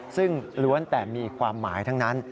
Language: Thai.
ซึ่งล้วนแต่มีความหมายทั้งนั้น